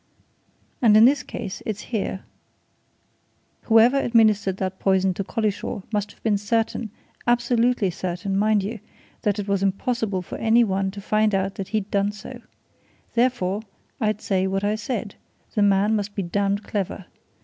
And in this case it's here whoever administered that poison to Collishaw must have been certain absolutely certain, mind you! that it was impossible for any one to find out that he'd done so. Therefore, I say what I said the man must be damned clever.